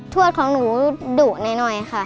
วดของหนูดุหน่อยค่ะ